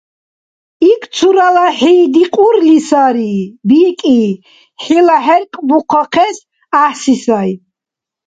ИкӀ цурала хӀи дикьурли сари, – бикӀи. – ХӀила хӀеркӀбухъахъес гӀяхӀси сай.